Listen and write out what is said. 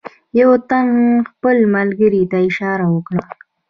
یوه تن خپل ملګري ته اشاره وکړه.